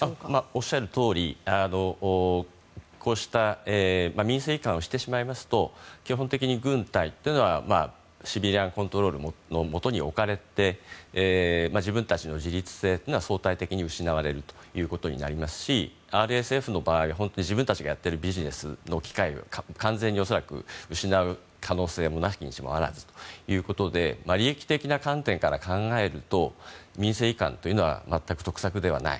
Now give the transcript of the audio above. おっしゃるとおり民政移管をしてしまいますと基本的に軍隊というのはシビリアンコントロールのもとに置かれて自分たちの自立性というのは相対的に失われることになりますしＲＳＦの場合自分たちがやっているビジネスの機会が完全に、恐らく失われる可能性も無きにしも非ずということで利益的な観点から考えると民政移管というのは全く得策ではない。